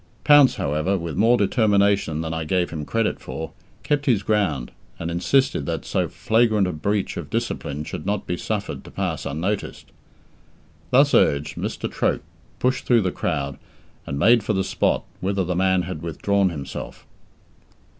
Pounce, however, with more determination than I gave him credit for, kept his ground, and insisted that so flagrant a breach of discipline should not be suffered to pass unnoticed. Thus urged, Mr. Troke pushed through the crowd, and made for the spot whither the man had withdrawn himself.